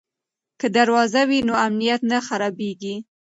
که دروازه وي نو امنیت نه خرابېږي.